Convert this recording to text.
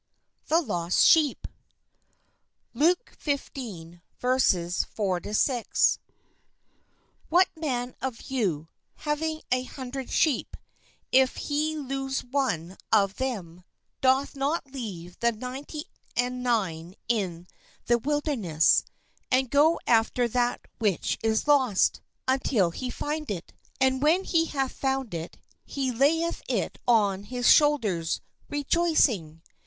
THE LOST SHEEP THE LOST SHEEP HAT man of you, W J having an hun aving an dred sheep, if he lose one of them, doth not leave the ninety and nine in the wilderness, and go after that which is lost, until he find it? And when he hath found it, he lay eth it on his shoulders, re joicing.